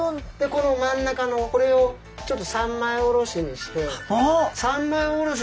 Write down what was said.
この真ん中のこれをちょっと三枚おろしにして。